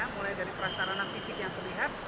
mulai dari prasarana fisik yang terlihat